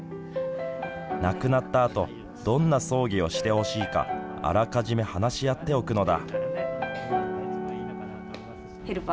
亡くなったあとどんな葬儀をしてほしいかあらかじめ話し合っておくのだ。